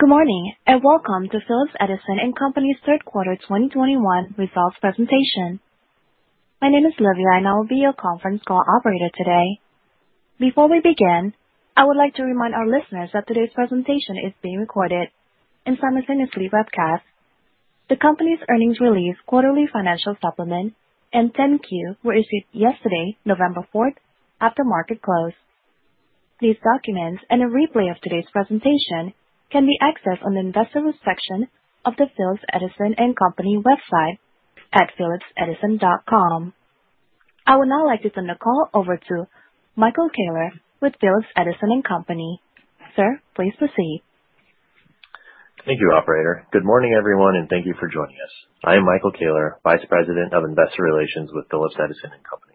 Good morning, welcome to Phillips Edison & Company's Q3 2021 results presentation. My name is Olivia and I will be your Conference Call operator today. Before we begin, I would like to remind our listeners that today's presentation is being recorded and simultaneously webcast. The company's earnings release, quarterly financial supplement and 10-Q were issued yesterday, November 4th, after market close. These documents, and a replay of today's presentation, can be accessed on the investor section of the Phillips Edison & Company website at phillipsedison.com. I would now like to turn the call over to Michael Koehler with Phillips Edison & Company. Sir, please proceed. Thank you, operator. Good morning, everyone, and thank you for joining us. I am Michael Koehler, Vice President of Investor Relations with Phillips Edison & Company.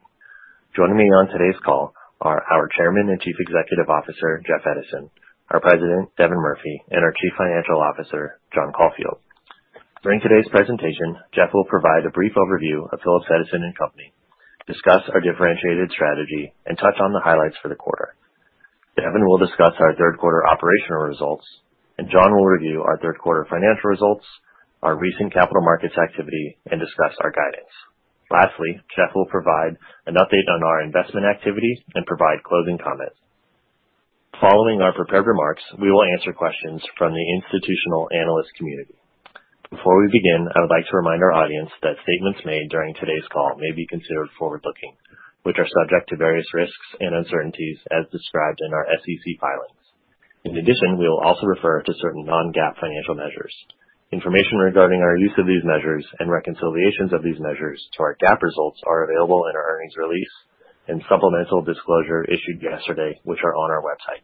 Joining me on today's call are our Chairman and Chief Executive Officer, Jeff Edison, our President, Devin Murphy, and our Chief Financial Officer, John Caulfield. During today's presentation, Jeff will provide a brief overview of Phillips Edison & Company, discuss our differentiated strategy, and touch on the highlights for the quarter. Devin will discuss our Q3 operational results, John will review our Q3 financial results, our recent capital markets activity, and discuss our guidance. Lastly, Jeff will provide an update on our investment activity and provide closing comments. Following our prepared remarks, we will answer questions from the institutional analyst community. Before we begin, I would like to remind our audience that statements made during today's call may be considered forward-looking, which are subject to various risks and uncertainties as described in our SEC filings. In addition, we'll also refer to certain non-GAAP financial measures. Information regarding our use of these measures and reconciliations of these measures to our GAAP results are available in our earnings release and supplemental disclosure issued yesterday, which are on our website.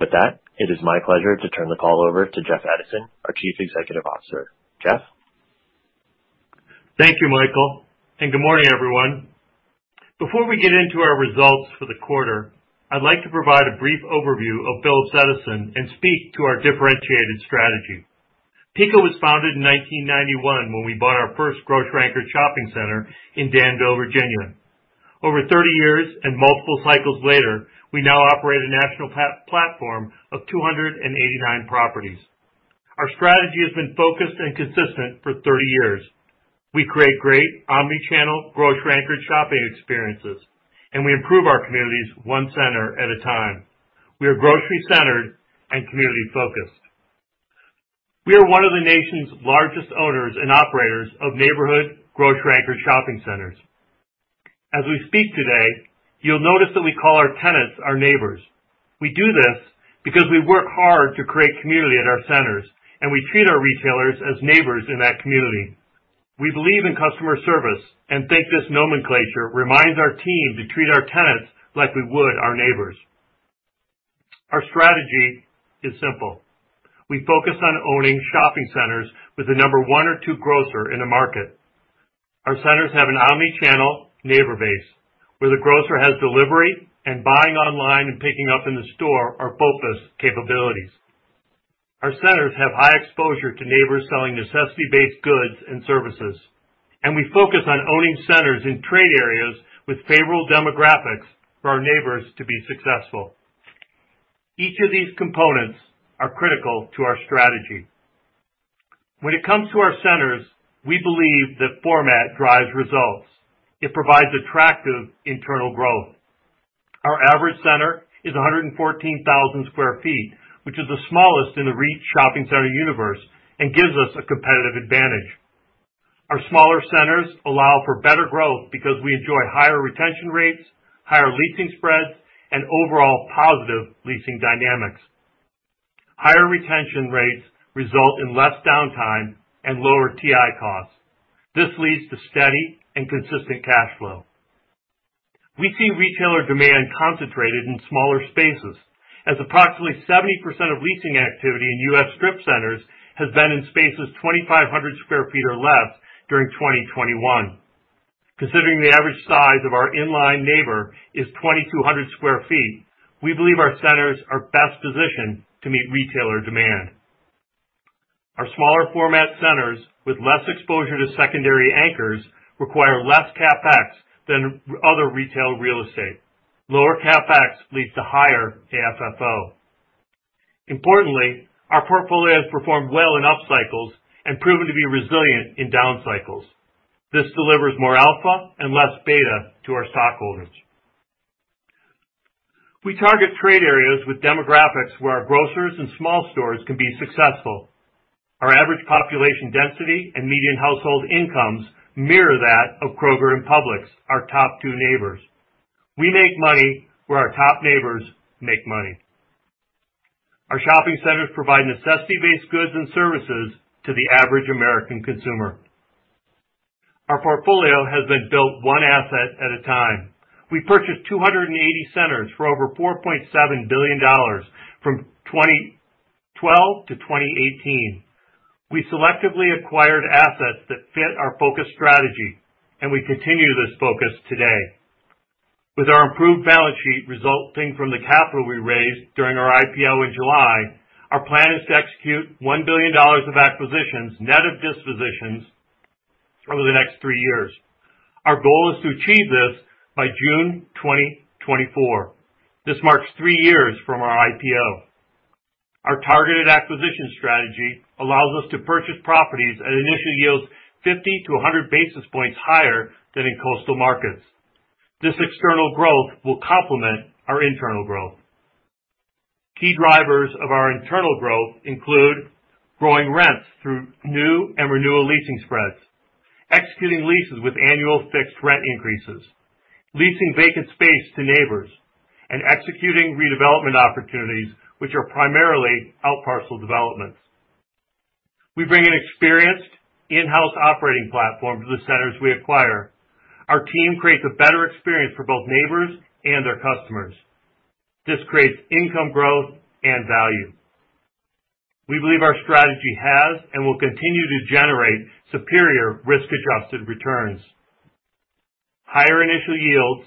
With that, it is my pleasure to turn the call over to Jeff Edison, our Chief Executive Officer. Jeff. Thank you, Michael, and good morning, everyone. Before we get into our results for the quarter, I'd like to provide a brief overview of Phillips Edison and speak to our differentiated strategy. PECO was founded in 1991 when we bought our first grocery-anchored shopping center in Danville, Virginia. Over 30 years and multiple cycles later, we now operate a national platform of 289 properties. Our strategy has been focused and consistent for 30 years. We create great omni-channel, grocery-anchored shopping experiences, and we improve our communities 1 center at a time. We are grocery-centered and community-focused. We are 1 of the nation's largest owners and operators of neighborhood grocery-anchored shopping centers. As we speak today, you'll notice that we call our tenants our neighbors. We do this because we work hard to create community at our centers, and we treat our retailers as neighbors in that community. We believe in customer service and think this nomenclature reminds our team to treat our tenants like we would our neighbors. Our strategy is simple. We focus on owning shopping centers with the number 1 or 2 grocer in the market. Our centers have an omni-channel neighbor base, where the grocer has delivery and buying online and picking up in the store are both those capabilities. Our centers have high exposure to neighbors selling necessity-based goods and services, and we focus on owning centers in trade areas with favorable demographics for our neighbors to be successful. Each of these components are critical to our strategy. When it comes to our centers, we believe that format drives results. It provides attractive internal growth. Our average center is 114,000 sq ft, which is the smallest in the retail shopping center universe and gives us a competitive advantage. Our smaller centers allow for better growth because we enjoy higher retention rates, higher leasing spreads, and overall positive leasing dynamics. Higher retention rates result in less downtime and lower TI costs. This leads to steady and consistent cash flow. We see retailer demand concentrated in smaller spaces, as approximately 70% of leasing activity in U.S. strip centers has been in spaces 2,500 sq ft or less during 2021. Considering the average size of our inline neighbor is 2,200 sq ft, we believe our centers are best positioned to meet retailer demand. Our smaller format centers with less exposure to secondary anchors require less CapEx than other retail real estate. Lower CapEx leads to higher AFFO. Importantly, our portfolio has performed well in up cycles and proven to be resilient in down cycles. This delivers more alpha and less beta to our stockholders. We target trade areas with demographics where our grocers and small stores can be successful. Our average population density and median household incomes mirror that of Kroger and Publix, our top two neighbors. We make money where our top neighbors make money. Our shopping centers provide necessity-based goods and services to the average American consumer. Our portfolio has been built one asset at a time. We purchased 280 centers for over $4.7 billion from 2012 to 2018. We selectively acquired assets that fit our focus strategy, and we continue this focus today. With our improved balance sheet resulting from the capital we raised during our IPO in July, our plan is to execute $1 billion of acquisitions, net of dispositions over the next 3 years. Our goal is to achieve this by June 2024. This marks 3 years from our IPO. Our targeted acquisition strategy allows us to purchase properties at initial yields 50 to 100 basis points higher than in coastal markets. This external growth will complement our internal growth. Key drivers of our internal growth include growing rents through new and renewal leasing spreads, executing leases with annual fixed rent increases, leasing vacant space to neighbors, and executing redevelopment opportunities, which are primarily outparcel developments. We bring an experienced in-house operating platform to the centers we acquire. Our team creates a better experience for both neighbors and their customers. This creates income growth and value. We believe our strategy has and will continue to generate superior risk-adjusted returns. Higher initial yields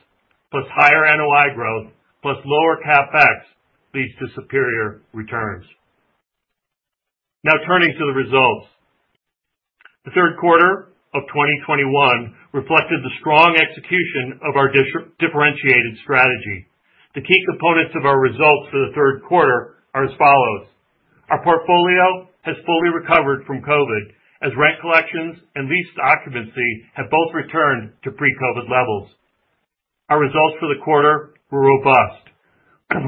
plus higher NOI growth plus lower CapEx leads to superior returns. Now turning to the results. The Q3 of 2021 reflected the strong execution of our differentiated strategy. The key components of our results for the Q3 are as follows. Our portfolio has fully recovered from COVID, as rent collections and leased occupancy have both returned to pre-COVID levels. Our results for the quarter were robust.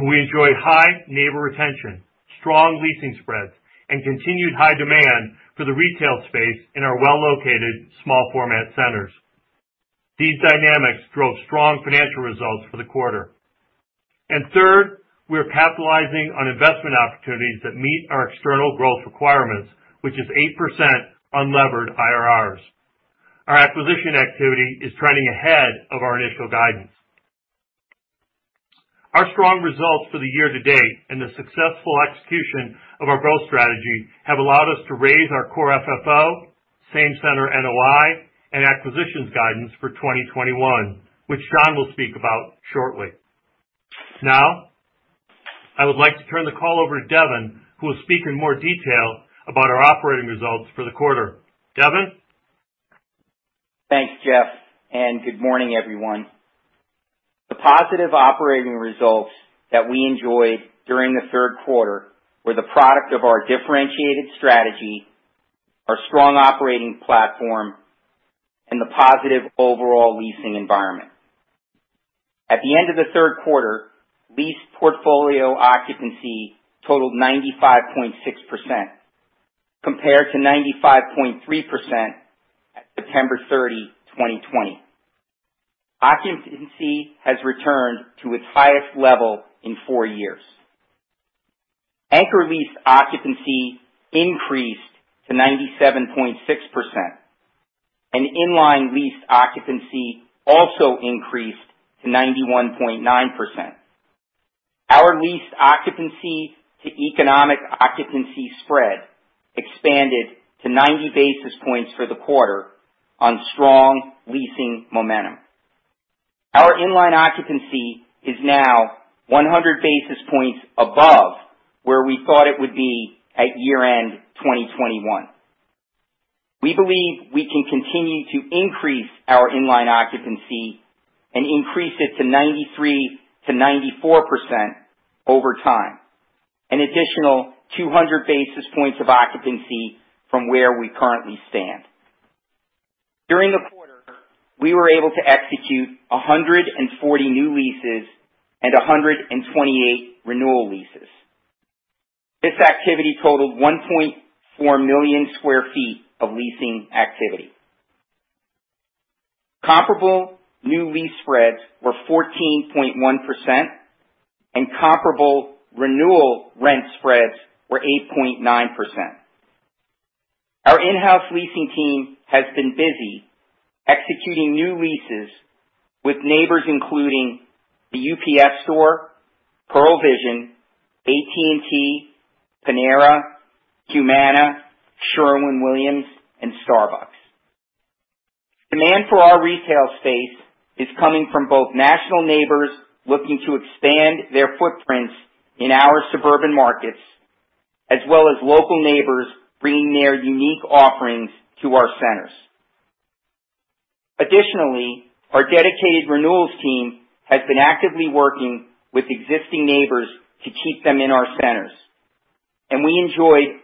We enjoyed high neighbor retention, strong leasing spreads, and continued high demand for the retail space in our well-located small format centers. These dynamics drove strong financial results for the quarter. Third, we are capitalizing on investment opportunities that meet our external growth requirements, which is 8% unlevered IRRs. Our acquisition activity is trending ahead of our initial guidance. Our strong results for the year to date and the successful execution of our growth strategy have allowed us to raise our Core FFO, Same-Center NOI, and acquisitions guidance for 2021, which John will speak about shortly. I would like to turn the call over to Devin, who will speak in more detail about our operating results for the quarter. Devin? Thanks, Jeff, and good morning, everyone. The positive operating results that we enjoyed during the Q3 were the product of our differentiated strategy, our strong operating platform, and the positive overall leasing environment. At the end of the Q3, leased portfolio occupancy totaled 95.6%, compared to 95.3% at September 30, 2020. Occupancy has returned to its highest level in four years. Anchor lease occupancy increased to 97.6%, and inline lease occupancy also increased to 91.9%. Our lease occupancy to economic occupancy spread expanded to 90 basis points for the quarter on strong leasing momentum. Our inline occupancy is now 100 basis points above where we thought it would be at year-end 2021. We believe we can continue to increase our inline occupancy and increase it to 93%-94% over time, an additional 200 basis points of occupancy from where we currently stand. During the quarter, we were able to execute 140 new leases and 128 renewal leases. This activity totaled 1.4 million sq ft of leasing activity. Comparable new lease spreads were 14.1%, and comparable renewal rent spreads were 8.9%. Our in-house leasing team has been busy executing new leases with neighbors including The UPS Store, Pearle Vision, AT&T, Panera, Humana, Sherwin-Williams, and Starbucks. Demand for our retail space is coming from both national neighbors looking to expand their footprints in our suburban markets, as well as local neighbors bringing their unique offerings to our centers. Additionally, our dedicated renewals team has been actively working with existing neighbors to keep them in our centers, and we enjoyed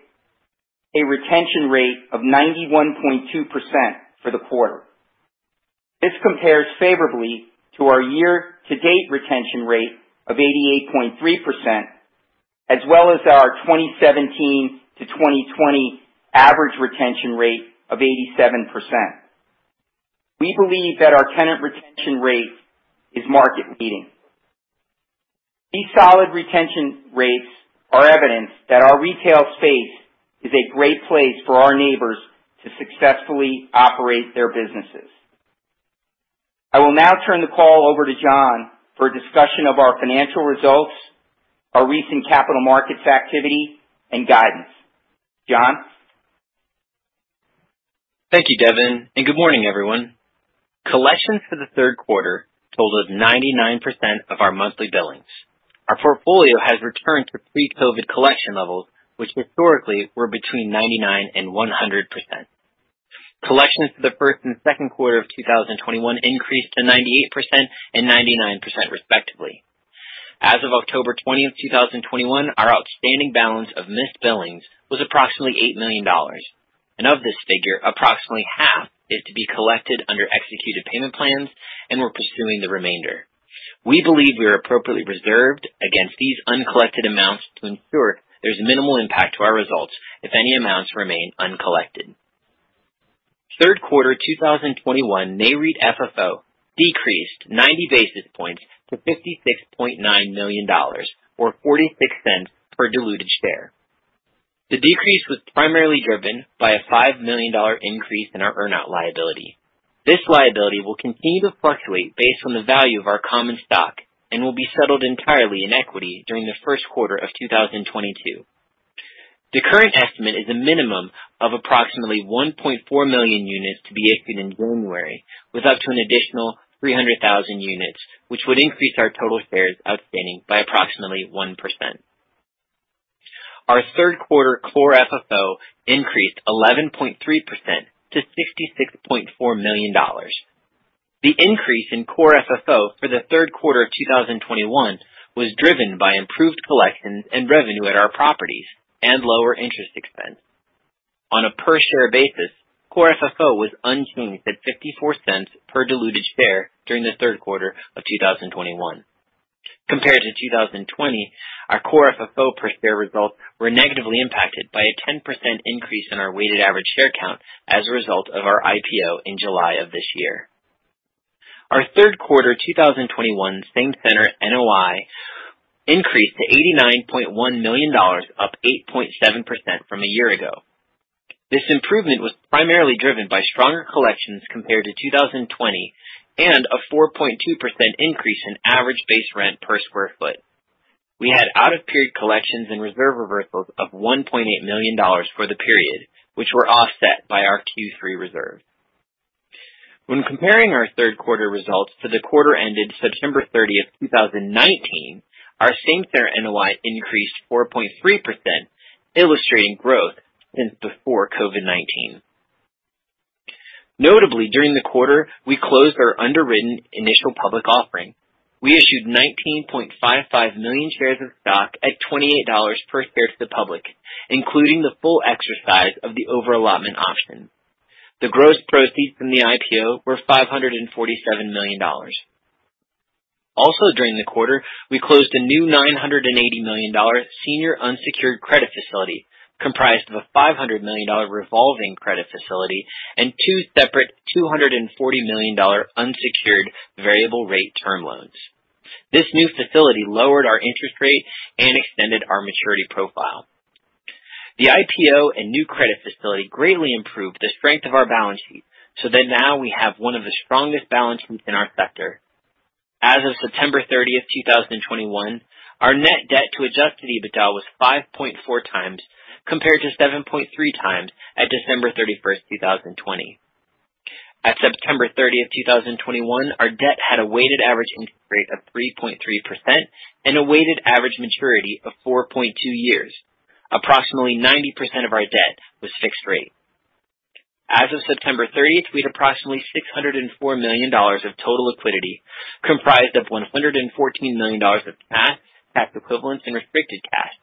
a retention rate of 91.2% for the quarter. This compares favorably to our year-to-date retention rate of 88.3%, as well as our 2017 to 2020 average retention rate of 87%. We believe that our tenant retention rate is market leading. These solid retention rates are evidence that our retail space is a great place for our neighbors to successfully operate their businesses. I will now turn the call over to John for a discussion of our financial results, our recent capital markets activity, and guidance. John? Thank you, Devin. Good morning, everyone. Collections for the Q3 totaled 99% of our monthly billings. Our portfolio has returned to pre-COVID collection levels, which historically were between 99% and 100%. Collections for Q1 and Q2 of 2021 increased to 98% and 99% respectively. As of October 20, 2021, our outstanding balance of missed billings was approximately $8 million. Of this figure, approximately half is to be collected under executed payment plans, and we're pursuing the remainder. We believe we are appropriately reserved against these uncollected amounts to ensure there's minimal impact to our results if any amounts remain uncollected. Q3 2021, Nareit FFO decreased 90 basis points to $56.9 million or $0.46 per diluted share. The decrease was primarily driven by a $5 million increase in our earn-out liability. This liability will continue to fluctuate based on the value of our common stock and will be settled entirely in equity during the Q1 of 2022. The current estimate is a minimum of approximately 1.4 million units to be issued in January, with up to an additional 300,000 units, which would increase our total shares outstanding by approximately 1%. Our Q3 Core FFO increased 11.3% to $66.4 million. The increase in Core FFO for the Q3 of 2021 was driven by improved collections and revenue at our properties and lower interest expense. On a per share basis, Core FFO was unchanged at $0.54 per diluted share during the Q3 of 2021. Compared to 2020, our Core FFO per share results were negatively impacted by a 10% increase in our weighted average share count as a result of our IPO in July of this year. Our Q3 2021 Same-Center NOI increased to $89.1 million, up 8.7% from a year ago. This improvement was primarily driven by stronger collections compared to 2020 and a 4.2% increase in average base rent per square foot. We had out of period collections and reserve reversals of $1.8 million for the period, which were offset by our Q3 reserve. When comparing our Q3 results to the quarter ended September 30, 2019, our Same-Center NOI increased 4.3%, illustrating growth since before COVID-19. Notably, during the quarter, we closed our underwritten initial public offering. We issued 19.55 million shares of stock at $28 per share to the public, including the full exercise of the over-allotment option. The gross proceeds from the IPO were $547 million. Also during the quarter, we closed a new $980 million senior unsecured credit facility, comprised of a $500 million revolving credit facility and two separate $240 million unsecured variable rate term loans. This new facility lowered our interest rate and extended our maturity profile. The IPO and new credit facility greatly improved the strength of our balance sheet so that now we have one of the strongest balance sheets in our sector. As of September 30, 2021, our net debt to adjusted EBITDA was 5.4x compared to 7.3x at December 31, 2020. At September 30, 2021, our debt had a weighted average interest rate of 3.3% and a weighted average maturity of 4.2 years. Approximately 90% of our debt was fixed rate. As of September 30, we had approximately $604 million of total liquidity, comprised of $114 million of cash, tax equivalents and restricted cash,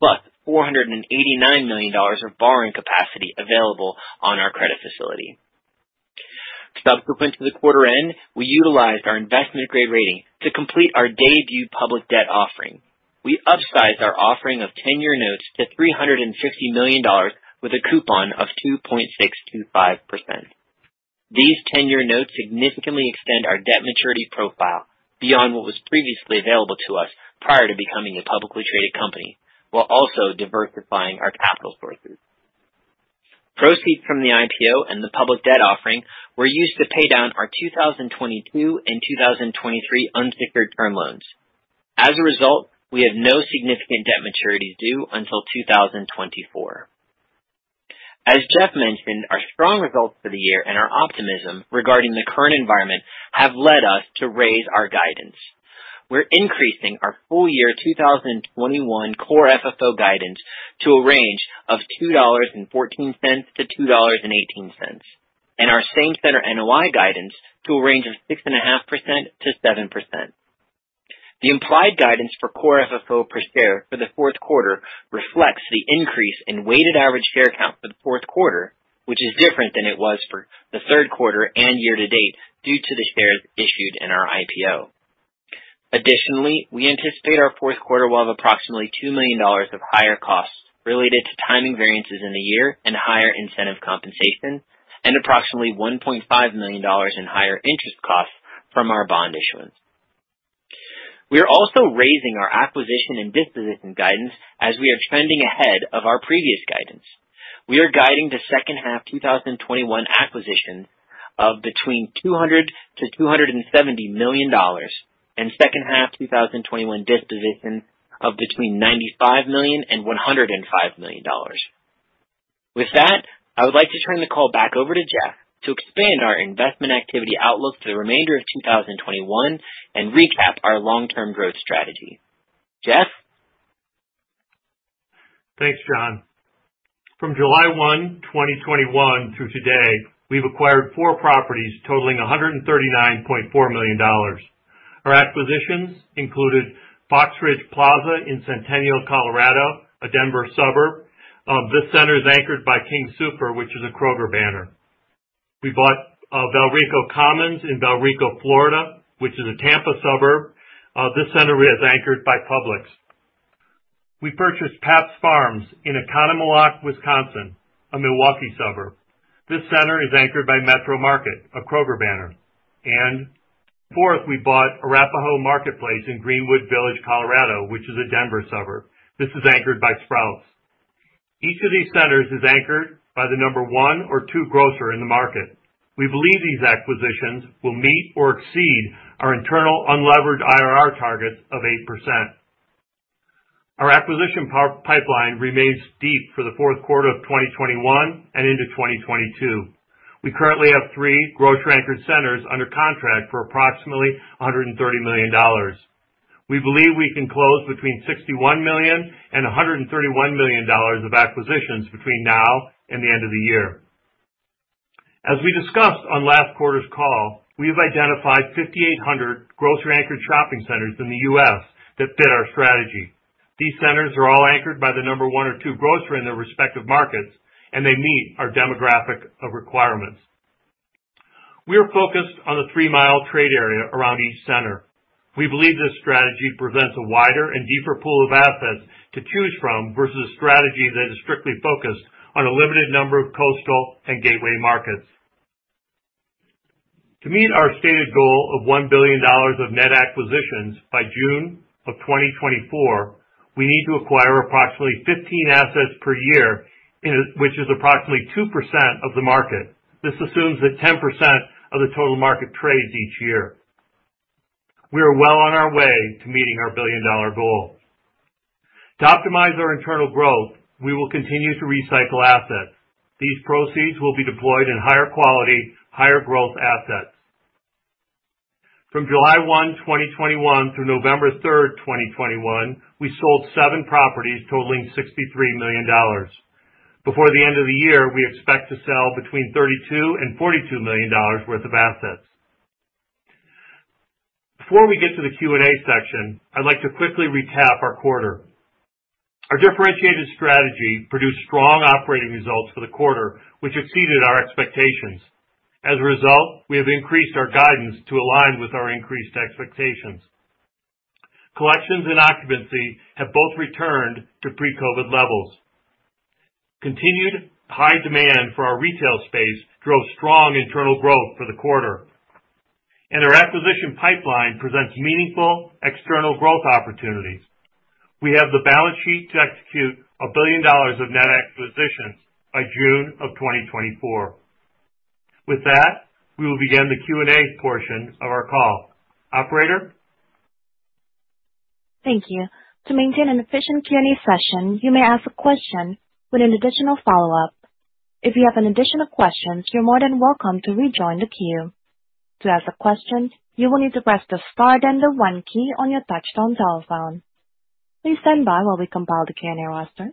plus $489 million of borrowing capacity available on our credit facility. Subsequent to the quarter end, we utilized our investment-grade rating to complete our debut public debt offering. We upsized our offering of 10-year notes to $350 million with a coupon of 2.625%. These 10-year notes significantly extend our debt maturity profile beyond what was previously available to us prior to becoming a publicly traded company, while also diversifying our capital sources. Proceeds from the IPO and the public debt offering were used to pay down our 2022 and 2023 unsecured term loans. As a result, we have no significant debt maturities due until 2024. As Jeff mentioned, our strong results for the year and our optimism regarding the current environment have led us to raise our guidance. We're increasing our full-year 2021 Core FFO guidance to a range of $2.14-$2.18, and our Same-Center NOI guidance to a range of 6.5%-7%. The implied guidance for Core FFO per share for the Q4 reflects the increase in weighted average share count for the Q4, which is different than it was for the Q3 and year to date due to the shares issued in our IPO. Additionally, we anticipate our Q4 will have approximately $2 million of higher costs related to timing variances in the year and higher incentive compensation and approximately $1.5 million in higher interest costs from our bond issuance. We are also raising our acquisition and disposition guidance as we are trending ahead of our previous guidance. We are guiding the second half 2021 acquisition of between $200 million-$270 million and second half 2021 disposition of between $95 million and $105 million. With that, I would like to turn the call back over to Jeff to expand our investment activity outlook for the remainder of 2021 and recap our long-term growth strategy. Jeff? Thanks, John. From July 1, 2021 through today, we've acquired four properties totaling $139.4 million. Our acquisitions included Fox Ridge Plaza in Centennial, Colorado, a Denver suburb. This center is anchored by King Soopers, which is a Kroger banner. We bought Valrico Commons in Valrico, Florida, which is a Tampa suburb. This center is anchored by Publix. We purchased Pabst Farms in Oconomowoc, Wisconsin, a Milwaukee suburb. This center is anchored by Metro Market, a Kroger banner. Fourth, we bought Arapahoe Marketplace in Greenwood Village, Colorado, which is a Denver suburb. This is anchored by Sprouts. Each of these centers is anchored by the number one or two grocer in the market. We believe these acquisitions will meet or exceed our internal unlevered IRR target of 8%. Our acquisition pipeline remains deep for the Q4 of 2021 and into 2022. We currently have three grocery-anchored centers under contract for approximately $130 million. We believe we can close between $61 million and $131 million of acquisitions between now and the end of the year. As we discussed on last quarter's call, we have identified 5,800 grocery-anchored shopping centers in the U.S. that fit our strategy. These centers are all anchored by the number 1 or 2 grocer in their respective markets, and they meet our demographic requirements. We are focused on the three-mile trade area around each center. We believe this strategy presents a wider and deeper pool of assets to choose from versus a strategy that is strictly focused on a limited number of coastal and gateway markets. To meet our stated goal of $1 billion of net acquisitions by June of 2024, we need to acquire approximately 15 assets per year, which is approximately 2% of the market. This assumes that 10% of the total market trades each year. We are well on our way to meeting our $1 billion goal. To optimize our internal growth, we will continue to recycle assets. These proceeds will be deployed in higher quality, higher growth assets. From July 1, 2021 through November 3, 2021, we sold 7 properties totaling $63 million. Before the end of the year, we expect to sell between $32 million and $42 million worth of assets. Before we get to the Q&A section, I'd like to quickly recap our quarter. Our differentiated strategy produced strong operating results for the quarter, which exceeded our expectations. As a result, we have increased our guidance to align with our increased expectations. Collections and occupancy have both returned to pre-COVID levels. Continued high demand for our retail space drove strong internal growth for the quarter, and our acquisition pipeline presents meaningful external growth opportunities. We have the balance sheet to execute $1 billion of net acquisitions by June of 2024. With that, we will begin the Q&A portion of our call. Operator? Thank you. To maintain an efficient Q&A session, you may ask a question with an additional follow-up. If you have any additional questions, you're more than welcome to rejoin the queue. To ask a question, you will need to press the star then the one key on your touch-tone telephone. Please stand by while we compile the Q&A roster.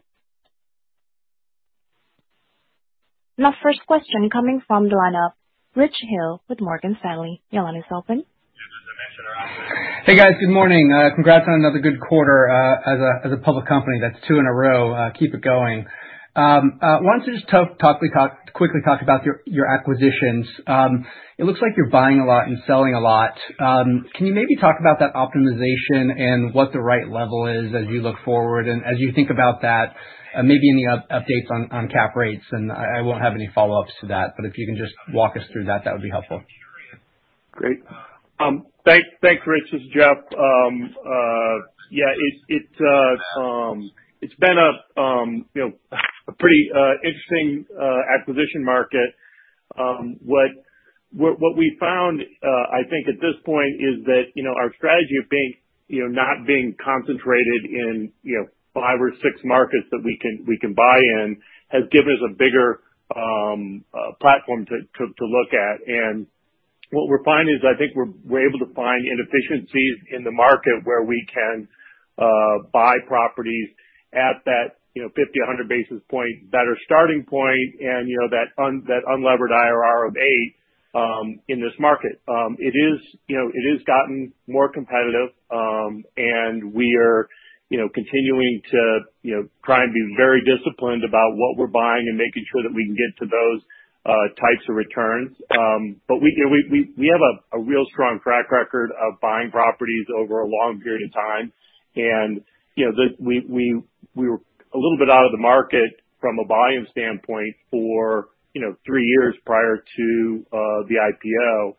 Our first question coming from the line of Rich Hill with Morgan Stanley. Hey, guys, good morning. Congrats on another good quarter. As a public company, that's two in a row. Keep it going. Why don't you just quickly talk about your acquisitions. It looks like you're buying a lot and selling a lot. Can you maybe talk about that optimization and what the right level is as you look forward, and as you think about that, maybe any updates on cap rates, and I won't have any follow-ups to that, but if you can just walk us through that would be helpful. Great. thanks, Rich. It's Jeff. yeah, it's, it's been a, you know, a pretty interesting acquisition market. What we found, I think at this point is that, you know, our strategy of being, you know, not being concentrated in, you know, 5 or 6 markets that we can buy in has given us a bigger platform to look at. What we're finding is I think we're able to find inefficiencies in the market where we can buy properties at that, you know, 50, 100 basis point better starting point and, you know, that unlevered IRR of 8 in this market. It is, you know, it has gotten more competitive, and we are, you know, continuing to, you know, try and be very disciplined about what we're buying and making sure that we can get to those types of returns. But we, you know, we have a real strong track record of buying properties over a long period of time. We were a little bit out of the market from a volume standpoint for, you know, three years prior to the IPO.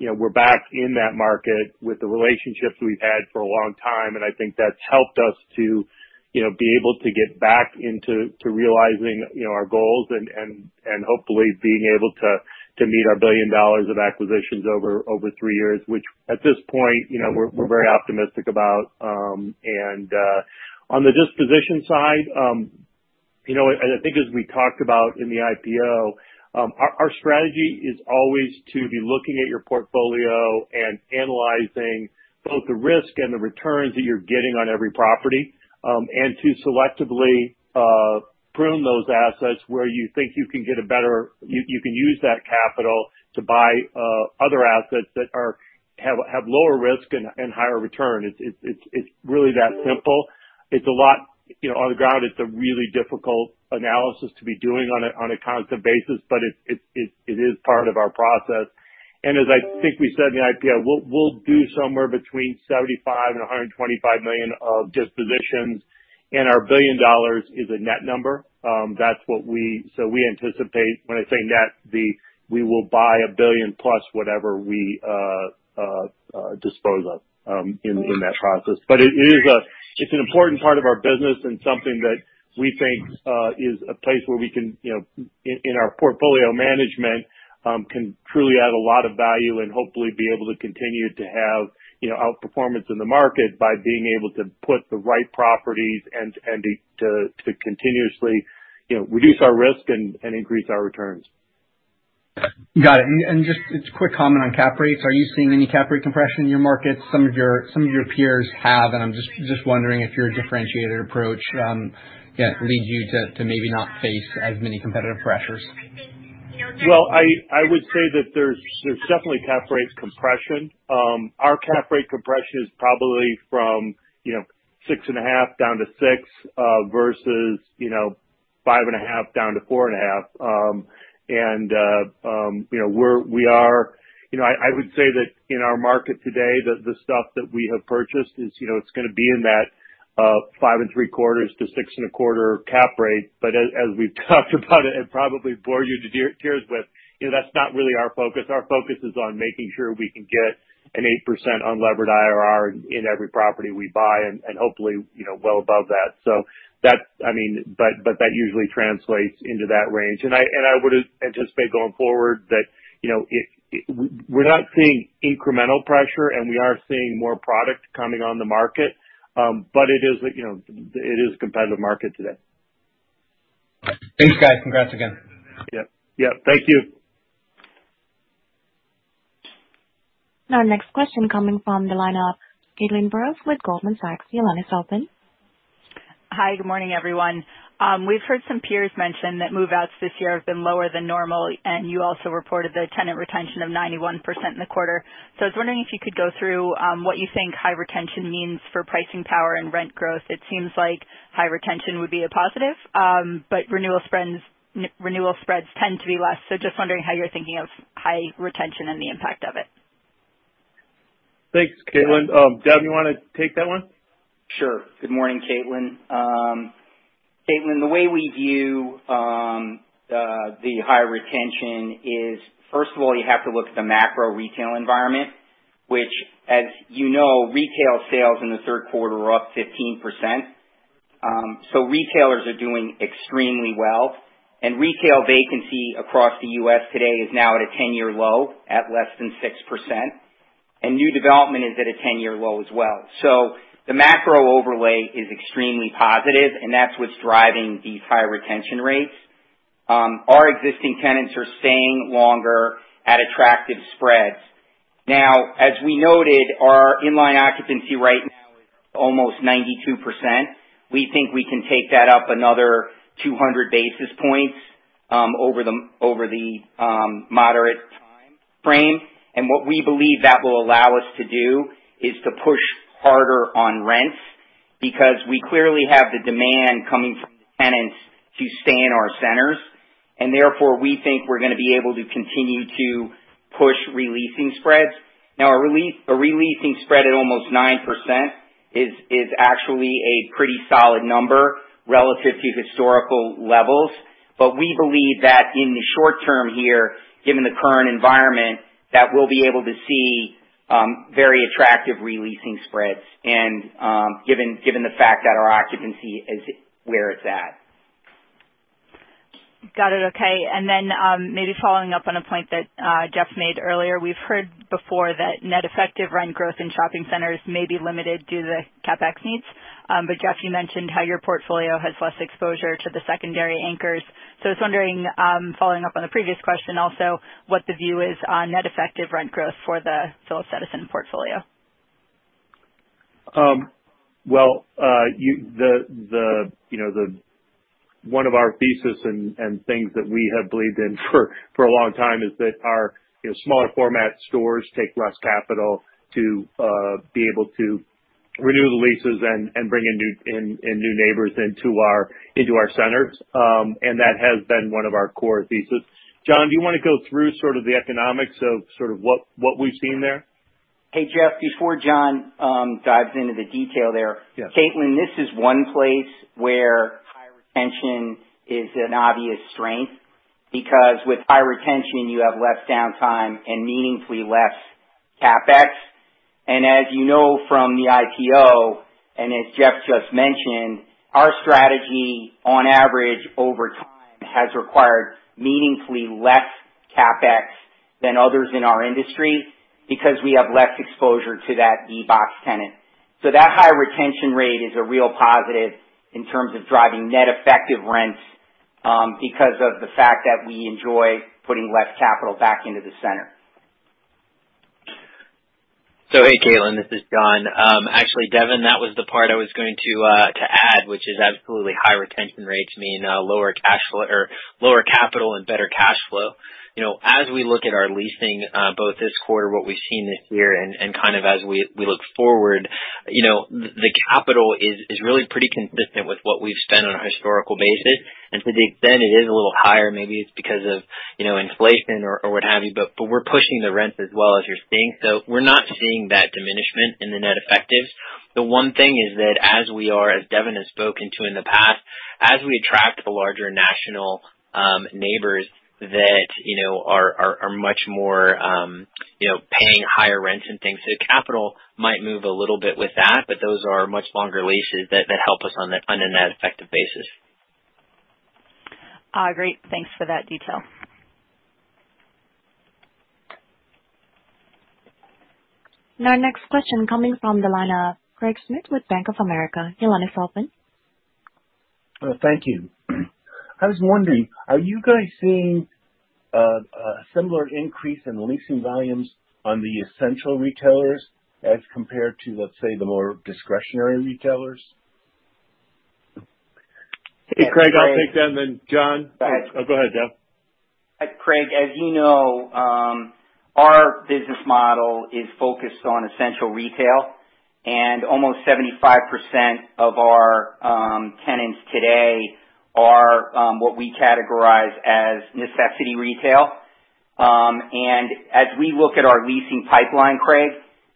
You know, we're back in that market with the relationships we've had for a long time, and I think that's helped us to, you know, be able to get back into, to realizing, you know, our goals and hopefully being able to meet our $1 billion of acquisitions over 3 years, which at this point, you know, we're very optimistic about. On the disposition side, you know, and I think as we talked about in the IPO, our strategy is always to be looking at your portfolio and analyzing both the risk and the returns that you're getting on every property, and to selectively prune those assets where you think you can get a better. You can use that capital to buy other assets that have lower risk and higher return. It's really that simple. It's a lot, you know, on the ground, it's a really difficult analysis to be doing on a constant basis, but it is part of our process. As I think we said in the IPO, we'll do somewhere between $75 million and $125 million of dispositions, and our $1 billion is a net number. We anticipate when I say net, we will buy $1 billion plus whatever we dispose of in that process. It is it's an important part of our business and something that we think is a place where we can, you know, in our portfolio management can truly add a lot of value and hopefully be able to continue to have, you know, outperformance in the market by being able to put the right properties and to continuously, you know, reduce our risk and increase our returns. Got it. Just quick comment on cap rates. Are you seeing any cap rate compression in your markets? Some of your peers have. I'm just wondering if you're a differentiated approach that leads you to maybe not face as many competitive pressures. Well, I would say that there's definitely cap rates compression. Our cap rate compression is probably from, you know, 6.5% down to 6%, versus, you know, 5.5% down to 4.5%. And, you know, we are, you know, I would say that in our market today, the stuff that we have purchased is, you know, it's gonna be in that, 5.75%-6.25% cap rate. As we've talked about it and probably bore you to tears with, you know, that's not really our focus. Our focus is on making sure we can get an 8% unlevered IRR in every property we buy and hopefully, you know, well above that. That's, I mean, that usually translates into that range. I, and I would anticipate going forward that, you know, we're not seeing incremental pressure, and we are seeing more product coming on the market. It is, you know, it is a competitive market today. Thanks, guys. Congrats again. Yeah. Yeah. Thank you. Our next question coming from the line of Caitlin Burrows with Goldman Sachs. Hi. Good morning, everyone. We've heard some peers mention that move-outs this year have been lower than normal, and you also reported the tenant retention of 91% in the quarter. I was wondering if you could go through what you think high retention means for pricing power and rent growth. It seems like high retention would be a positive, but renewal spreads tend to be less. Just wondering how you're thinking of high retention and the impact of it. Thanks, Caitlin. Devin Murphy, you wanna take that one? Sure. Good morning, Caitlin. Caitlin, the way we view the high retention is, first of all, you have to look at the macro retail environment, which, as you know, retail sales in the Q3 were up 15%. Retailers are doing extremely well. Retail vacancy across the U.S. today is now at a 10-year low, at less than 6%. New development is at a 10-year low as well. The macro overlay is extremely positive, and that's what's driving the high retention rates. Our existing tenants are staying longer at attractive spreads. Now, as we noted, our in-line occupancy right now is almost 92%. We think we can take that up another 200 basis points over the moderate timeframe. What we believe that will allow us to do is to push harder on rents, because we clearly have the demand coming from the tenants to stay in our centers, and therefore we think we're gonna be able to continue to push re-leasing spreads. A re-leasing spread at almost 9% is actually a pretty solid number relative to historical levels. We believe that in the short-term here, given the current environment, that we'll be able to see very attractive re-leasing spreads and given the fact that our occupancy is where it's at. Got it. Okay. Maybe following up on a point that Jeff made earlier, we've heard before that net effective rent growth in shopping centers may be limited due to the CapEx needs. Jeff, you mentioned how your portfolio has less exposure to the secondary anchors. I was wondering, following up on the previous question also, what the view is on net effective rent growth for the Phillips Edison portfolio. Well, one of our thesis and things that we have believed in for a long time is that our, you know, smaller format stores take less capital to be able to renew the leases and bring in new neighbors into our centers. That has been one of our core thesis. John, do you wanna go through sort of the economics of sort of what we've seen there? Hey, Jeff, before John, dives into the detail there. Yes. Caitlin, this is one place where high retention is an obvious strength, because with high retention you have less downtime and meaningfully less CapEx. As you know from the IPO, and as Jeff just mentioned, our strategy on average over timeHas required meaningfully less CapEx than others in our industry because we have less exposure to that big-box tenant. That high retention rate is a real positive in terms of driving net effective rents, because of the fact that we enjoy putting less capital back into the center. Hey, Caitlin, this is John. Actually, Devin, that was the part I was going to to add, which is absolutely high retention rates mean lower or lower capital and better cash flow. You know, as we look at our leasing, both this quarter, what we've seen this year and, kind of as we look forward, you know, the capital is really pretty consistent with what we've spent on a historical basis. To the extent it is a little higher, maybe it's because of, you know, inflation or what have you, but we're pushing the rents as well as you're seeing. We're not seeing that diminishment in the net effectives. The one thing is that as we are, as Devin has spoken to in the past, as we attract larger national neighbors that, you know, are much more, you know, paying higher rents and things, so capital might move a little bit with that, but those are much longer leases that help us on a net effective basis. Great. Thanks for that detail. Next question coming from the line of Craig Schmidt with Bank of America. Thank you. I was wondering, are you guys seeing a similar increase in leasing volumes on the essential retailers as compared to, let's say, the more discretionary retailers? Craig Schmidt, Hey, Craig. I'll take that, and then John. Go ahead. Oh, go ahead, Dev. Craig, as you know, our business model is focused on essential retail and almost 75% of our tenants today are what we categorize as necessity retail. As we look at our leasing pipeline, Craig,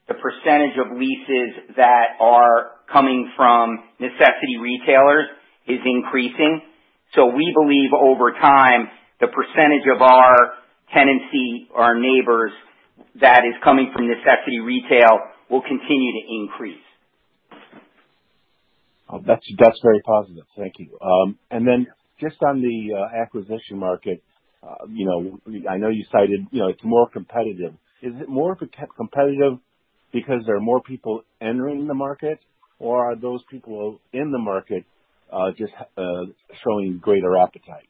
the percentage of leases that are coming from necessity retailers is increasing. We believe over time, the percentage of our tenancy, our neighbors, that is coming from necessity retail will continue to increase. That's very positive. Thank you. Just on the acquisition market, you know, I know you cited, you know, it's more competitive. Is it more competitive because there are more people entering the market, or are those people in the market just showing greater appetite?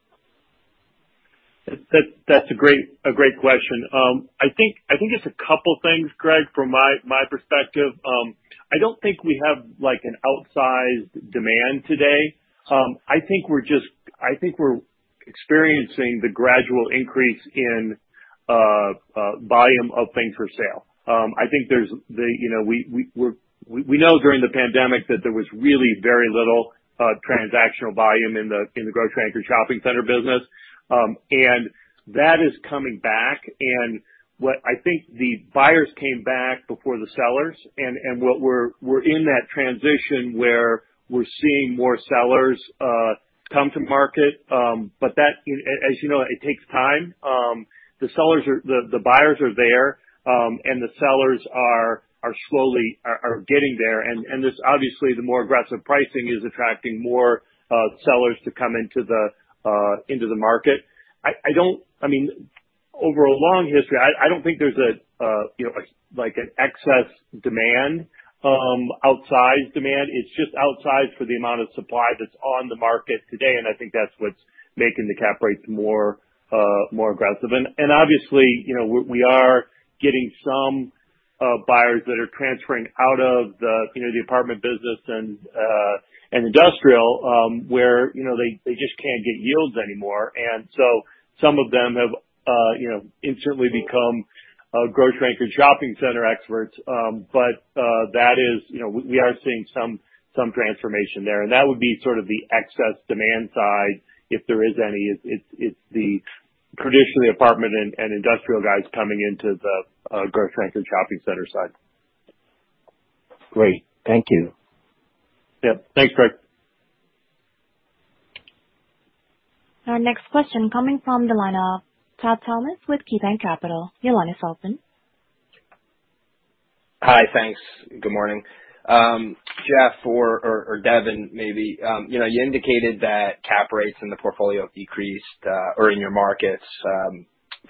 That's a great question. I think it's a couple things, Craig Schmidt, from my perspective. I don't think we have like an outsized demand today. I think we're experiencing the gradual increase in volume of things for sale. I think there's the, you know, we know during the pandemic that there was really very little transactional volume in the grocery anchor shopping center business, and that is coming back. I think the buyers came back before the sellers and what we're in that transition where we're seeing more sellers come to market. That, you know, as you know, it takes time. The sellers are The buyers are there, and the sellers are slowly getting there. This, obviously, the more aggressive pricing is attracting more sellers to come into the market. I mean, over a long history, I don't think there's a, you know, like an excess demand, outsized demand. It's just outsized for the amount of supply that's on the market today, and I think that's what's making the cap rates more aggressive. Obviously, you know, we are getting some buyers that are transferring out of the, you know, the apartment business and industrial, where, you know, they just can't get yields anymore. So some of them have, you know, instantly become grocery anchored shopping center experts. That is, you know, we are seeing some transformation there. That would be sort of the excess demand side, if there is any. It's the traditionally apartment and industrial guys coming into the grocery anchored shopping center side. Great. Thank you. Yep. Thanks, Craig. Our next question coming from the line of Todd Thomas with KeyBanc Capital. Hi. Thanks. Good morning. Jeff or Devin, maybe, you know, you indicated that cap rates in the portfolio decreased, or in your markets,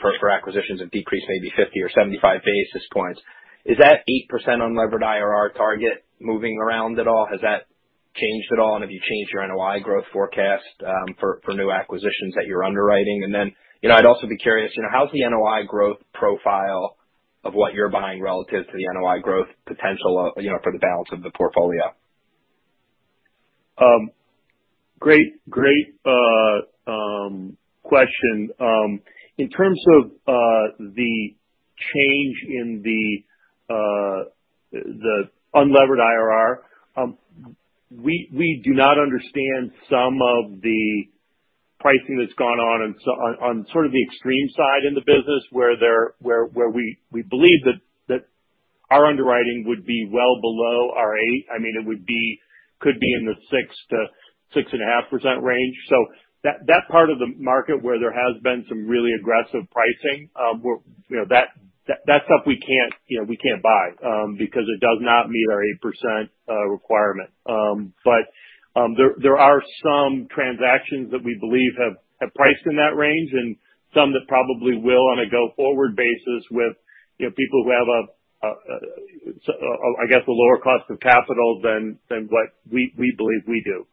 for acquisitions have decreased maybe 50 or 75 basis points. Is that 8% unlevered IRR target moving around at all? Has that changed at all? Have you changed your NOI growth forecast, for new acquisitions that you're underwriting? Then, you know, I'd also be curious, you know, how's the NOI growth profile of what you're buying relative to the NOI growth potential, you know, for the balance of the portfolio? Great question. In terms of the change in the unlevered IRR, we do not understand some of the pricing that's gone on on sort of the extreme side in the business where we believe that our underwriting would be well below our 8. I mean, it would be, could be in the 6-6.5% range. That part of the market where there has been some really aggressive pricing, we're, you know, that stuff we can't buy because it does not meet our 8% requirement. There are some transactions that we believe have priced in that range and some that probably will on a go-forward basis with, you know, people who have a lower cost of capital than what we believe we do.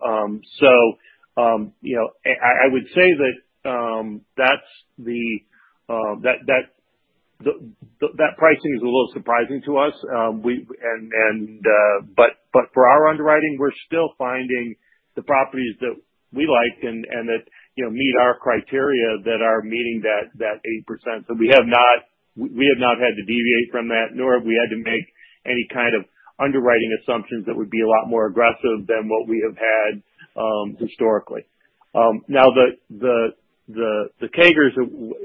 You know, I would say that's the pricing is a little surprising to us. For our underwriting, we're still finding the properties that we like and that, you know, meet our criteria that are meeting that 8%. We have not had to deviate from that, nor have we had to make any kind of underwriting assumptions that would be a lot more aggressive than what we have had historically. Now, the CAGRs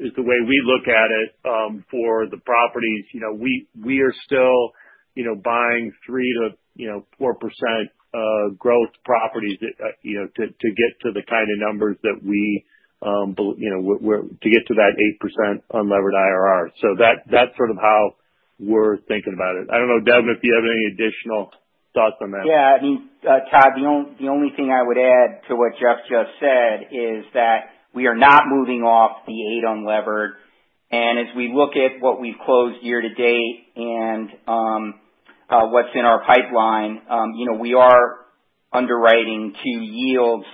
is the way we look at it for the properties. You know, we are still, you know, buying 3 to, you know, 4% growth properties, you know, to get to the kind of numbers that we to get to that 8% unlevered IRR. That's sort of how we're thinking about it. I don't know, Devin, if you have any additional thoughts on that. Yeah. I mean, Todd Thomas, the only thing I would add to what Jeff Edison just said, is that we are not moving off the 8 unlevered. As we look at what we've closed year-to-date and, what's in our pipeline, you know, we are underwriting to yields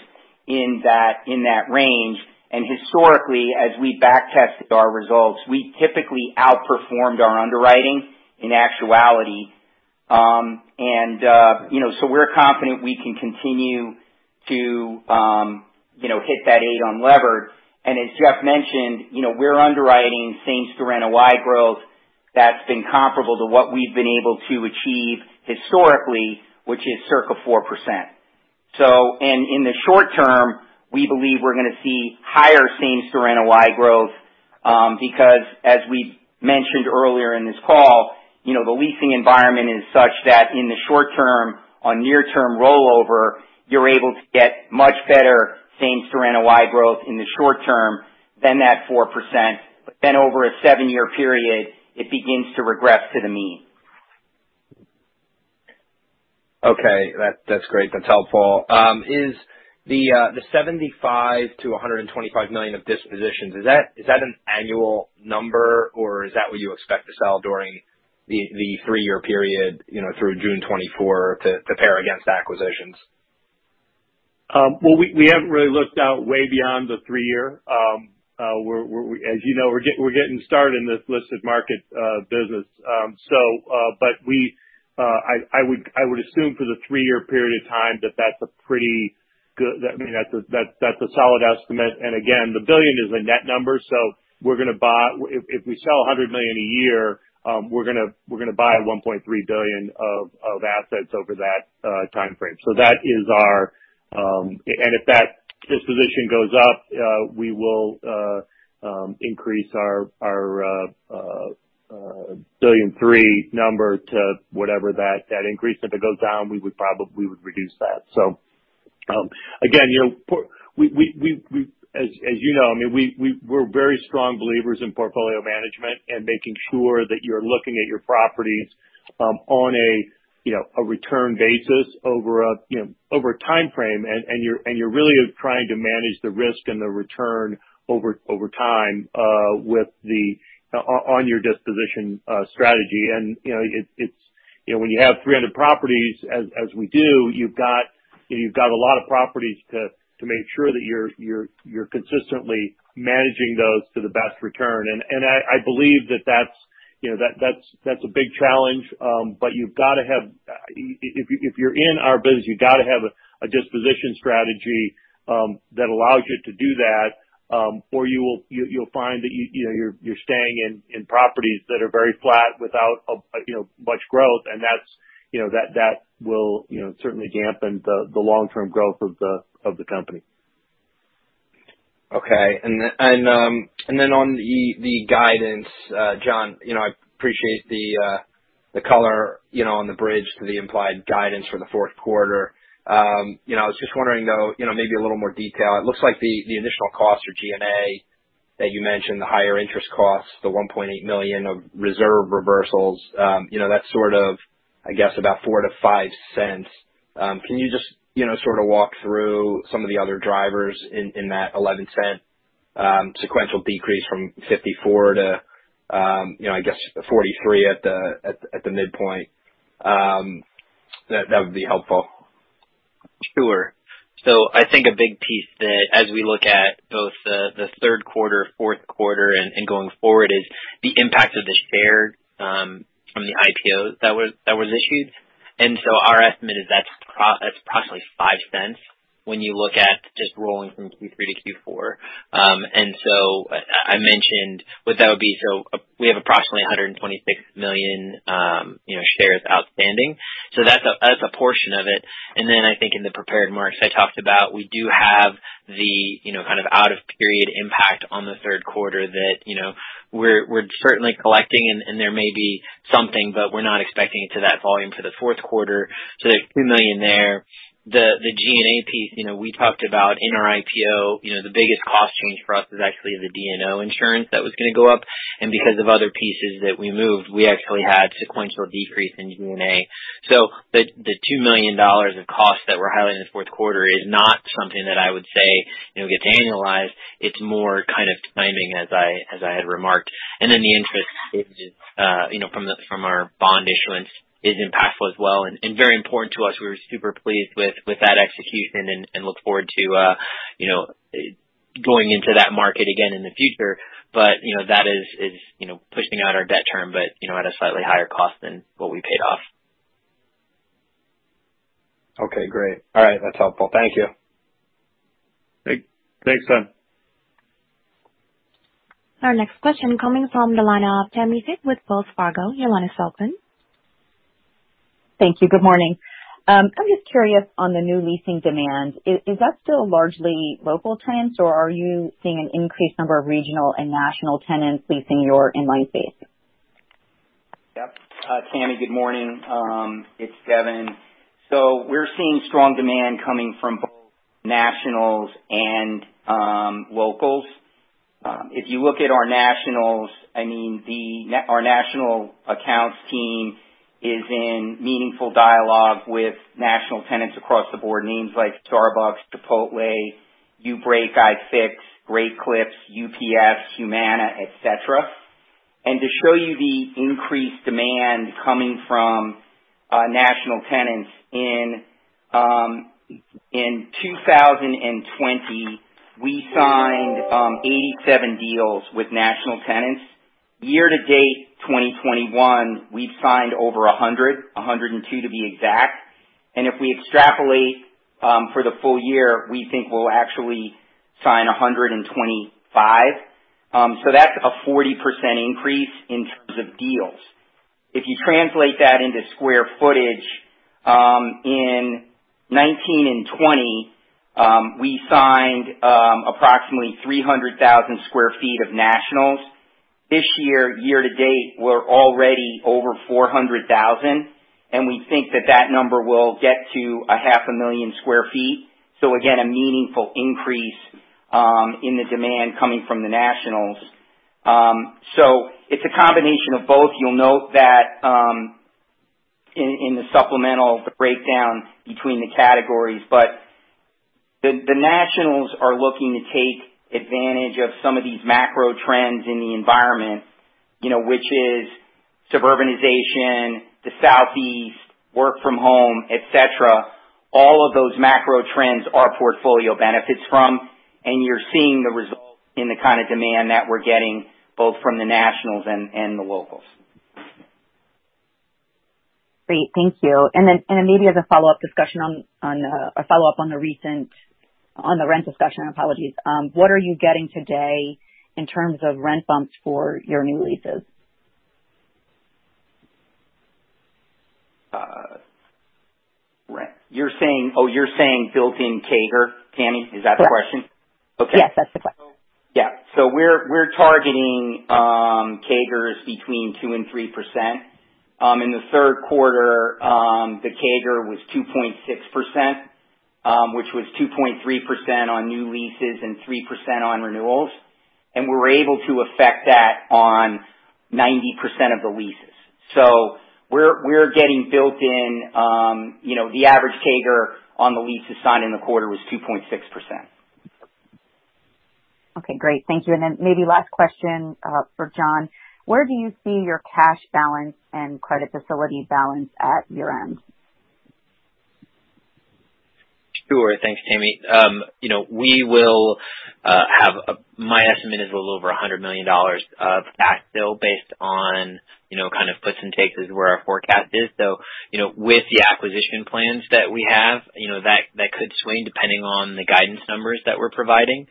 in that, in that range. Historically, as we back test our results, we typically outperformed our underwriting in actuality. So we're confident we can continue to, you know, hit that 8 unlevered. As Jeff Edison mentioned, you know, we're underwriting Same-Center NOI growth that's been comparable to what we've been able to achieve historically, which is circa 4%. In the short-term, we believe we're gonna see higher same-store NOI growth, because as we mentioned earlier in this call, you know, the leasing environment is such that in the short-term, on near-term rollover, you're able to get much better same-store NOI growth in the short-term than that 4%. But then over a 7-year period, it begins to regress to the mean. Okay. That, that's great. That's helpful. Is the $75 million-$125 million of dispositions, is that an annual number, or is that what you expect to sell during the three-year period, you know, through June 2024 to pair against acquisitions? Well, we haven't really looked out way beyond the three-year. As you know, we're getting started in this listed market business. But we, I would assume for the three-year period of time that that's a pretty good... I mean, that's a solid estimate. Again, the $1 billion is a net number, so we're gonna buy... If we sell 100 million a year, we're gonna buy $1.3 billion of assets over that timeframe. That is our... And if that disposition goes up, we will increase our $1.3 billion number to whatever that increase. If it goes down, we would probably reduce that. Again, you know, we're very strong believers in portfolio management and making sure that you're looking at your properties, on a, you know, a return basis over a, you know, over a timeframe. You're really trying to manage the risk and the return over time, with the on your disposition strategy. You know, it's, you know, when you have 300 properties as we do, you've got a lot of properties to make sure that you're consistently managing those to the best return. I believe that that's, you know, that's a big challenge. You've gotta have, if you, if you're in our business, you've gotta have a disposition strategy that allows you to do that, or you'll find that you know, you're staying in properties that are very flat without, you know, much growth. That's, you know, that will, you know, certainly dampen the long-term growth of the company. Okay. Then on the guidance, John, I appreciate the color on the bridge to the implied guidance for the Q4. I was just wondering, though, maybe a little more detail. It looks like the initial costs for G&A that you mentioned, the higher interest costs, the $1.8 million of reserve reversals, that's sort of, I guess, about $0.04-$0.05. Can you just sort of walk through some of the other drivers in that $0.11 sequential decrease from $0.54 to, I guess $0.43 at the midpoint? That would be helpful. Sure. I think a big piece that as we look at both the Q3, Q4 and going forward, is the impact of the shares from the IPO that was issued. Our estimate is that's approximately $0.05 when you look at just rolling from Q3 to Q4. I mentioned what that would be. We have approximately 126 million, you know, shares outstanding. That's a portion of it. I think in the prepared remarks I talked about, we do have the, you know, kind of out of period impact on the Q3 that, you know, we're certainly collecting and there may be something, but we're not expecting it to that volume for the Q4. There's $2 million there. The G&A piece, you know, we talked about in our IPO, you know, the biggest cost change for us is actually the D&O insurance that was gonna go up. Because of other pieces that we moved, we actually had sequential decrease in G&A. The $2 million of costs that we're highlighting in the Q4 is not something that I would say, you know, gets annualized. It's more kind of timing as I, as I had remarked. Then the interest is, you know, from our bond issuance is impactful as well and very important to us. We were super pleased with that execution and look forward to, you know, going into that market again in the future. You know, that is, you know, pushing out our debt term, but, you know, at a slightly higher cost than what we paid off. Okay, great. All right. That's helpful. Thank you. Thanks, Todd. Our next question coming from the line of Tammi Fique with Wells Fargo. Thank you. Good morning. I'm just curious on the new leasing demand. Is that still largely local tenants, or are you seeing an increased number of regional and national tenants leasing your in-line space? Yep. Tammi, good morning. It's Devin. We're seeing strong demand coming from both nationals and locals. If you look at our nationals, I mean, our national accounts team is in meaningful dialogue with national tenants across the board. Names like Starbucks, Chipotle, uBreakiFix, Great Clips, UPS, Humana, et cetera. To show you the increased demand coming from national tenants in 2020, we signed 87 deals with national tenants. Year to date, 2021, we've signed over 100, 102 to be exact. If we extrapolate for the full-year, we think we'll actually sign 125. That's a 40% increase in terms of deals. If you translate that into square footage, in 2019 and 2020, we signed approximately 300,000 sq ft of nationals. This year to date, we're already over 400,000, and we think that that number will get to a half a million sq ft. Again, a meaningful increase in the demand coming from the nationals. It's a combination of both. You'll note that in the supplemental, the breakdown between the categories. The nationals are looking to take advantage of some of these macro trends in the environment, you know, which is suburbanization, the Southeast, work from home, etc. All of those macro trends our portfolio benefits from, and you're seeing the results in the kind of demand that we're getting both from the nationals and the locals. Great. Thank you. Then maybe as a follow-up discussion on the rent discussion, apologies. What are you getting today in terms of rent bumps for your new leases? You're saying Oh, you're saying built-in CAGR, Tammi? Is that the question? Correct. Okay. Yes, that's the question. Yeah. We're targeting CAGRs between 2% and 3%. In the Q3, the CAGR was 2.6%, which was 2.3% on new leases and 3% on renewals. We were able to affect that on 90% of the leases. We're getting built in, you know, the average CAGR on the leases signed in the quarter was 2.6%. Okay, great. Thank you. Then maybe last question, for John. Where do you see your cash balance and credit facility balance at year-end? Sure. Thanks, Tammi. you know, we will have my estimate is a little over $100 million of backfill based on, you know, kind of puts and takes is where our forecast is. you know, with the acquisition plans that we have, you know, that could swing depending on the guidance numbers that we're providing.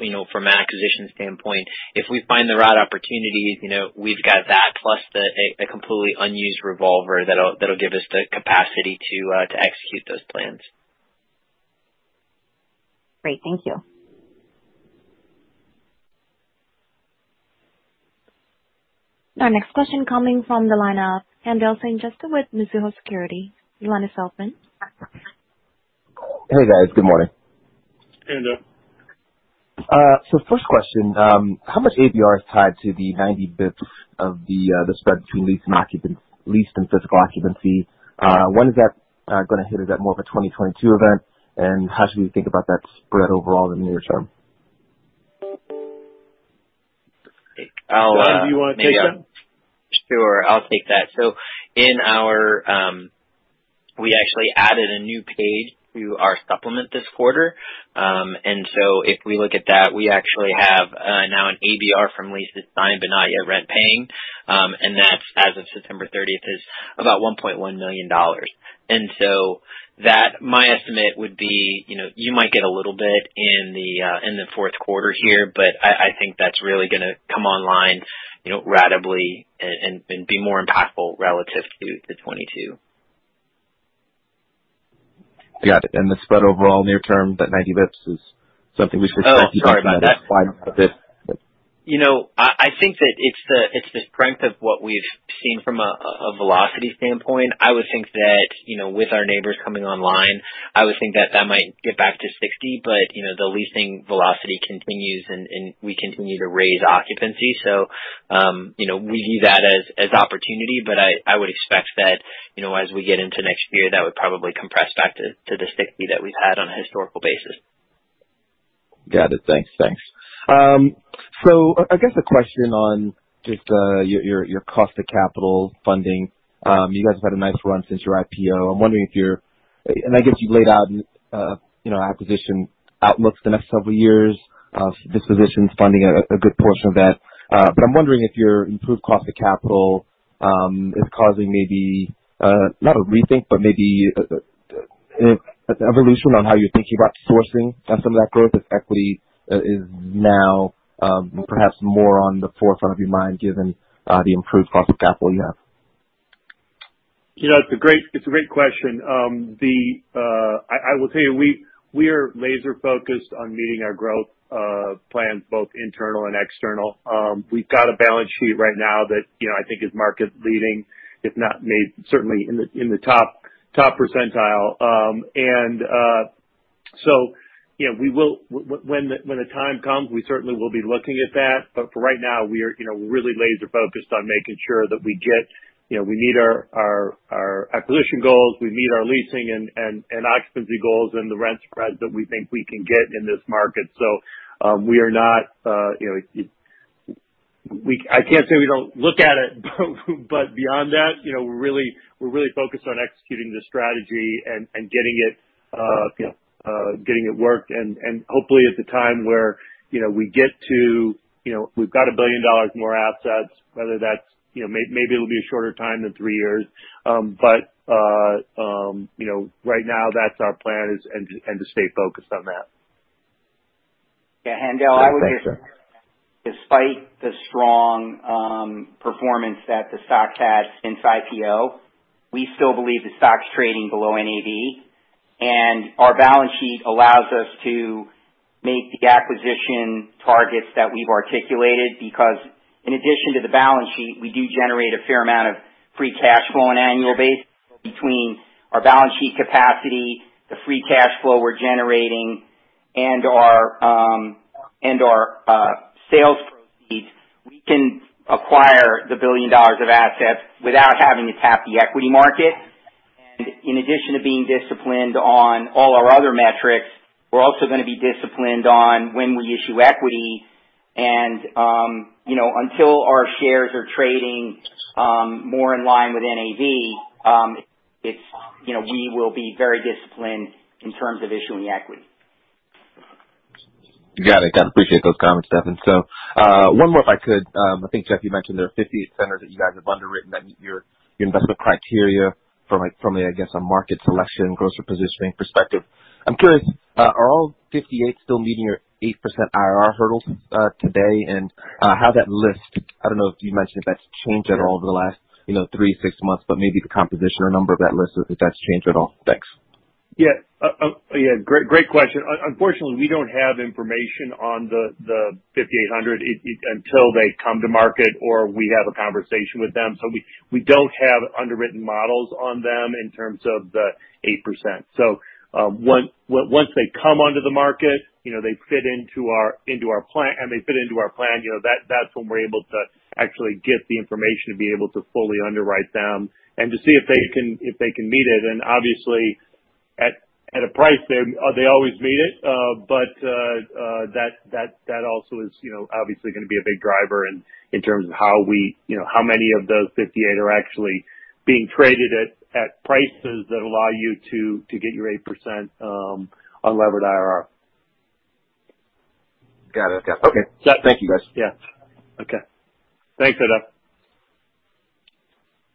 you know, from an acquisition standpoint, if we find the right opportunities, you know, we've got that plus a completely unused revolver that'll give us the capacity to execute those plans. Great. Thank you. Our next question coming from the line of Haendel St. Juste with Mizuho Securities. Hey, guys. Good morning. Hey, there. First question, how much ABR is tied to the 90 basis points of the spread between lease and occupancy, leased and physical occupancy? When is that gonna hit? Is that more of a 2022 event? How should we think about that spread overall in the near term? I'll, uh- John, do you wanna take that? Sure. I'll take that. We actually added a new page to our supplement this quarter. If we look at that, we actually have now an ABR from leases signed but not yet rent paying. That's as of September 30th, is about $1.1 million. That, my estimate would be, you know, you might get a little bit in the Q4 here, but I think that's really gonna come online, you know, ratably and be more impactful relative to the 2022. Got it. The spread overall near term, that 90 basis points is something we should. Oh, sorry about that. Talk to you about that slide a bit. You know, I think that it's the strength of what we've seen from a velocity standpoint. I would think that, you know, with our neighbors coming online, I would think that that might get back to 60. You know, the leasing velocity continues and we continue to raise occupancy. You know, we view that as opportunity. I would expect that, you know, as we get into next year, that would probably compress back to the 60 that we've had on a historical basis. Got it. Thanks. Thanks. I guess a question on just your cost of capital funding. You guys have had a nice run since your IPO. And I guess you've laid out, you know, acquisition outlook for the next several years of dispositions, funding a good portion of that. I'm wondering if your improved cost of capital is causing maybe not a rethink, but maybe an evolution on how you're thinking about sourcing some of that growth if equity is now perhaps more on the forefront of your mind given the improved cost of capital you have. You know, it's a great question. I will tell you, we are laser focused on meeting our growth plans, both internal and external. We've got a balance sheet right now that, you know, I think is market leading, if not maybe certainly in the top percentile. You know, when the time comes, we certainly will be looking at that. For right now, we are, you know, really laser focused on making sure that, you know, we meet our acquisition goals, we meet our leasing and occupancy goals and the rent spreads that we think we can get in this market. We are not. I can't say we don't look at it, but beyond that, you know, we're really focused on executing the strategy and getting it, you know, getting it worked and hopefully at the time where, you know, we get to, you know, we've got $1 billion more assets, whether that's, you know, maybe it'll be a shorter time than 3 years. You know, right now that's our plan is and to stay focused on that. Yeah, Haendel. Yeah. Thanks, Jeff. Despite the strong performance that the stock's had since IPO, we still believe the stock's trading below NAV. Our balance sheet allows us to make the acquisition targets that we've articulated, because in addition to the balance sheet, we do generate a fair amount of free cash flow on an annual basis. Between our balance sheet capacity, the free cash flow we're generating, and our sales proceeds, we can acquire the $1 billion of assets without having to tap the equity market. In addition to being disciplined on all our other metrics, we're also gonna be disciplined on when we issue equity and, you know, until our shares are trading more in line with NAV, we will be very disciplined in terms of issuing equity. Got it. Got it. Appreciate those comments, Devin Murphy. One more if I could. I think, Jeff Edison, you mentioned there are 58 centers that you guys have underwritten that meet your investment criteria from a, I guess a market selection, grocer positioning perspective. I'm curious, are all 58 still meeting your 8% IRR hurdles today? I don't know if you mentioned if that's changed at all over the last, you know, three to six months, but maybe the composition or number of that list, if that's changed at all. Thanks. Yeah. Great question. Unfortunately, we don't have information on the 5,800 until they come to market or we have a conversation with them. We don't have underwritten models on them in terms of the 8%. Once they come onto the market, you know, they fit into our plan and they fit into our plan, you know, that's when we're able to actually get the information to be able to fully underwrite them and to see if they can meet it. Obviously, at a price, they always meet it. That also is, you know, obviously gonna be a big driver in terms of how we, you know, how many of those 58 are actually being traded at prices that allow you to get your 8%, unlevered IRR. Got it. Okay. Thank you, guys. Yeah. Okay. Thanks, Haendel.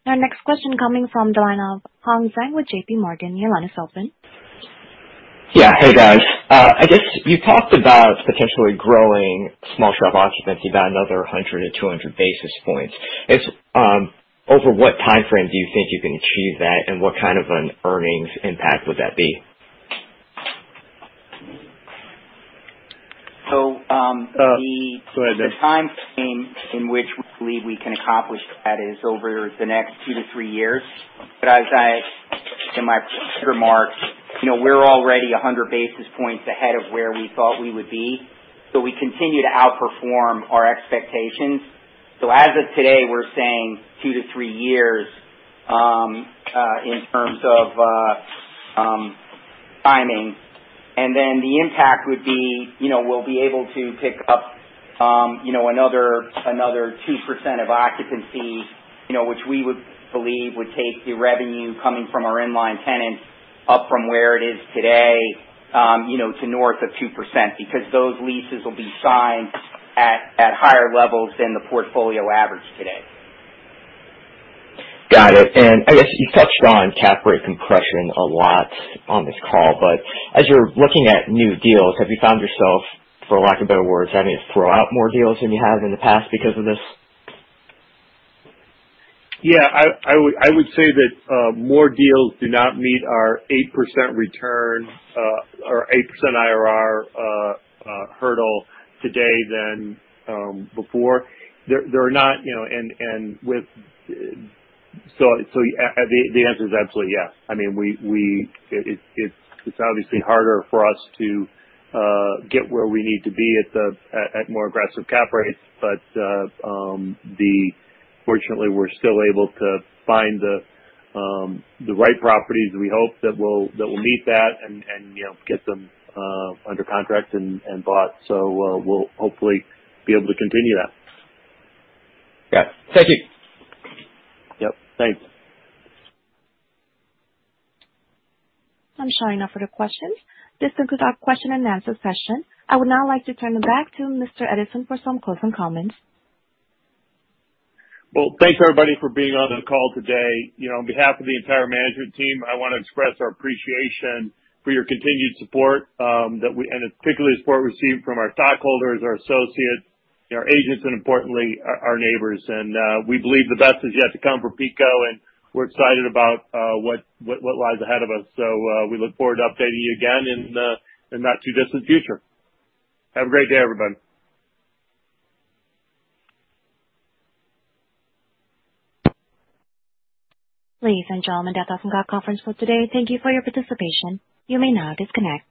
Our next question coming from Michael Mueller with JPMorgan. Yeah. Hey, guys. I guess you talked about potentially growing small shop occupancy by another 100-200 basis points. Over what timeframe do you think you can achieve that, and what kind of an earnings impact would that be? So, um, the- Go ahead, Devin Murphy. The timeframe in which we believe we can accomplish that is over the next 2-3 years. As I said in my remarks, you know, we're already 100 basis points ahead of where we thought we would be. We continue to outperform our expectations. As of today, we're saying 2-3 years, in terms of timing. Then the impact would be, you know, we'll be able to pick up, you know, another 2% of occupancy, you know, which we would believe would take the revenue coming from our inline tenants up from where it is today, you know, to north of 2%, because those leases will be signed at higher levels than the portfolio average today. Got it. I guess you touched on cap rate compression a lot on this call, but as you're looking at new deals, have you found yourself, for lack of better words, having to throw out more deals than you have in the past because of this? Yeah. I would say that more deals do not meet our 8% return or 8% IRR hurdle today than before. There are not. The answer is absolutely, yes. I mean, it's obviously harder for us to get where we need to be at more aggressive cap rates. Fortunately, we're still able to find the right properties, we hope, that will meet that and, you know, get them under contract and bought. We'll hopefully be able to continue that. Yeah. Thank you. Yep. Thanks. I'm showing no further questions. This concludes our question and answer session. I would now like to turn it back to Mr. Edison for some closing comments. Well, thanks, everybody, for being on the call today. You know, on behalf of the entire management team, I wanna express our appreciation for your continued support, particularly the support we received from our stockholders, our associates, our agents, and importantly, our neighbors. We believe the best is yet to come for PECO, and we're excited about what lies ahead of us. We look forward to updating you again in the not too distant future. Have a great day, everybody. Ladies and gentlemen, that does end our Conference Call today. Thank you for your participation. You may now disconnect.